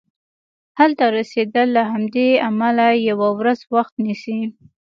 هلته رسیدل له همدې امله یوه ورځ وخت نیسي.